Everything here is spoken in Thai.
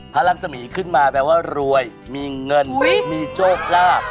พระรัตน์สะมีส์ขึ้นมาแปลว่ารวยมีเงินมีโจทย์ลาบ